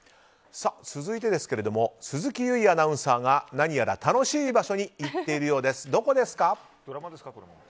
続いてですが鈴木唯アナウンサーが何やら楽しい場所に行っているようです。